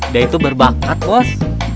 dia itu berbakat bos